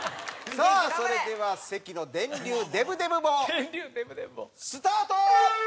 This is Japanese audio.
さあそれでは関の電流デブデブ棒スタート！